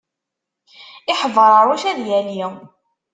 Iḥebraruc ad yali.